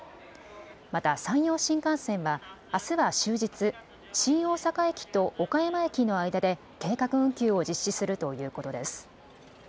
また、山陽新幹線はあすは終日新大阪駅と岡山駅の間で計画運休を実施するということです。